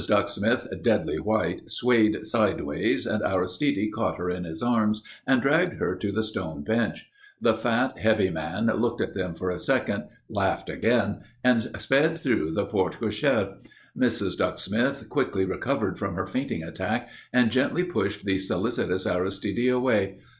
Ducksmith, deadly white, swayed sideways, and Aristide caught her in his arms and dragged her to the stone bench. The fat, heavy man looked at them for a second, laughed again, and sped through the porte cochère. Mrs. Ducksmith quickly recovered from her fainting attack, and gently pushed the solicitous Aristide away.